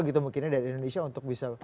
gitu mungkinnya dari indonesia untuk bisa